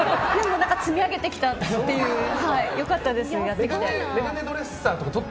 積み上げてきたっていう良かったです、やってきて。